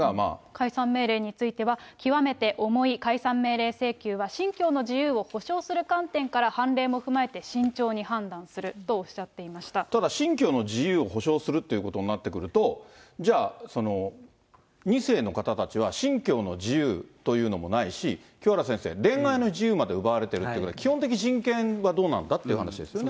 解散命令については、極めて重い解散命令請求は、信教の自由を保障する観点から判例も踏まえて、慎重に判断するとおっしゃっただ、信教の自由を保障するってことになってくると、じゃあ、２世の方たちは信教の自由というのもないし、清原先生、恋愛の自由まで奪われているということは、基本的人権はどうなんだって話ですよね。